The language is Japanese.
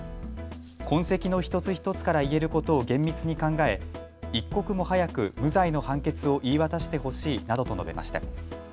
痕跡の一つ一つから言えることを厳密に考え、一刻も早く無罪の判決を言い渡してほしいなどと述べました。